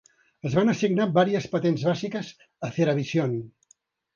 Es van assignar vàries patents bàsiques a Ceravision.